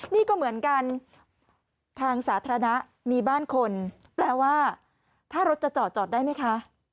นี่ก็เหมือนกันทางสาธารณะมีบ้านคนแปลว่าถ้ารถจะจอดจอดได้ไหมคะ